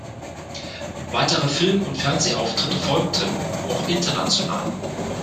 Weitere Film- und Fernsehauftritte folgten, auch international.